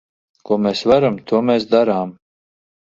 Ko mēs varam, to mēs darām!